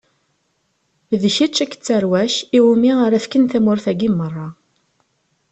D kečč akked tarwa-k iwumi ara fkeɣ timura-agi meṛṛa.